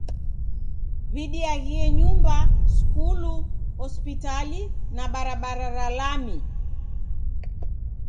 W'idiaghie nyumba, skulu, hospitali, na barabara ra lami.